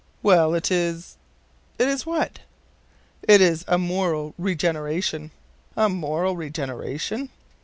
"Well, it is " "It is what?" "It is a moral regeneration." "A moral regeneration?"